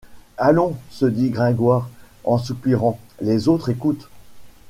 Allons! se dit Gringoire en soupirant, les autres écoutent.